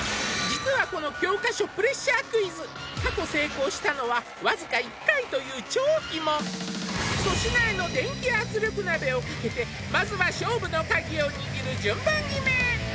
実はこの教科書プレッシャークイズ過去成功したのはわずか１回という超鬼門粗品への電気圧力鍋をかけてまずは勝負のカギを握る順番決め